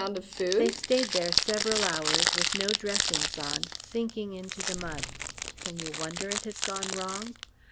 They stayed there several hours with no dressings on, sinking into the mud (can you wonder it has gone wrong?)